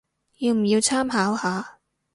要唔要參考下